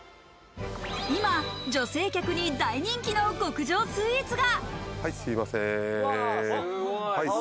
今、女性客に大人気の極上スイーツが。